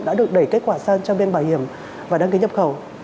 đã được đẩy kết quả sang cho bên bảo hiểm và đăng ký nhập khẩu